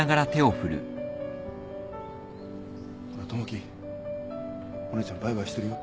ほら友樹お姉ちゃんバイバイしてるよ。